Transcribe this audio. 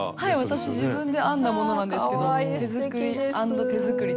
私自分で編んだものなんですけど手作り＆手作りですね。